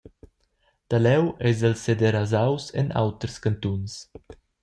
Da leu eis el sederasaus en auters cantuns.